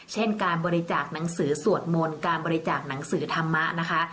เช่นการบริจาคหนังสือสวดมนต์การบริจาคหนังสือธรรมะนะคะ